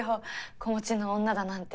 子持ちの女だなんて。